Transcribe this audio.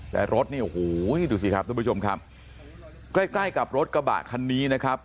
แต่รถเนี่ยโอ้โหดูสิครับทุกผู้ชมครับใกล้ใกล้กับรถกระบะคันนี้นะครับ